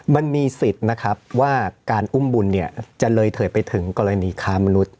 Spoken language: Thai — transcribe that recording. มันมีสิทธิ์ว่าการอุ้มบุญจะเลยเถิดไปถึงกรณีค้ามนุษย์